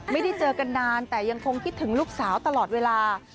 ไม่ได้เจอกันนานแต่ยังคงคิดถึงลูกสาวตลอดเวลา